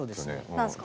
何ですか？